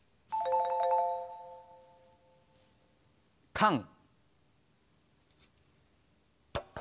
カン。